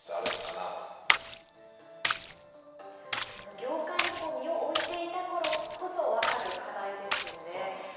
業界に身を置いていたからこそ分かる課題ですよね。